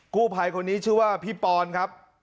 กู้ภัยคนนี้ชื่อว่าพี่ปอนครับ